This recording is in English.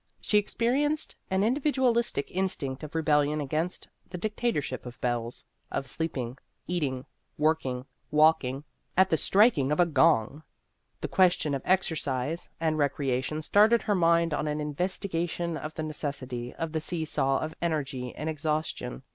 She experienced an individualistic instinct of rebellion against the dictatorship of bells of sleeping, eat ing, working, walking, at the striking of a gong. The question of exercise and rec reation started her mind on an investi gation of the necessity of the seesaw of energy and exhaustion.